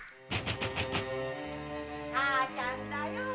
・母ちゃんだよ！